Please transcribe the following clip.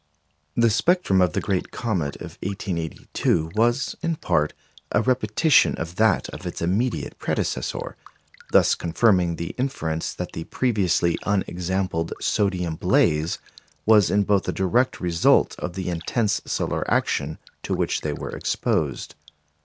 The spectrum of the great comet of 1882 was, in part, a repetition of that of its immediate predecessor, thus confirming the inference that the previously unexampled sodium blaze was in both a direct result of the intense solar action to which they were exposed.